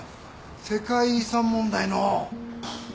世界遺産問題の。